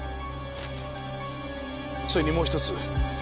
それにもう一つ